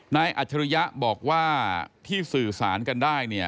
นายอัชริยะบอกว่าที่สื่อสารกันได้